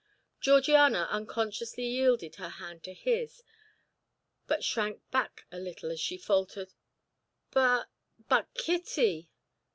Georgiana unconsciously yielded her hand to his, but shrank back a little as she faltered: "But but Kitty?"